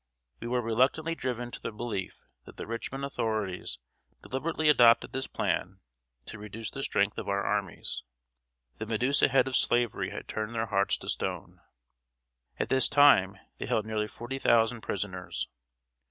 We were reluctantly driven to the belief that the Richmond authorities deliberately adopted this plan to reduce the strength of our armies. The Medusa head of Slavery had turned their hearts to stone. At this time, they held nearly forty thousand prisoners.